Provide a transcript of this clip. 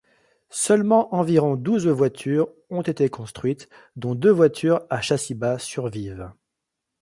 Seulement environ douze voitures ont été construites, dont deux voitures à châssis bas survivent.